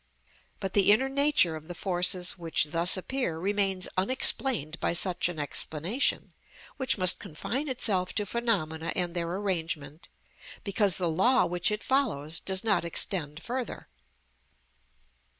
But the inner nature of the forces which thus appear remains unexplained by such an explanation, which must confine itself to phenomena and their arrangement, because the law which it follows does not extend further.